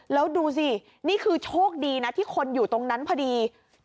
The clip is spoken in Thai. แล้วดูสินี่คือโชคดีนะที่คนอยู่ตรงนั้นพอดี